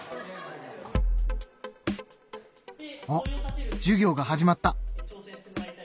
あっ授業が始まった。